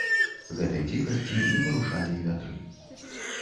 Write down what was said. Гэтай ціхасці не парушалі і вятры.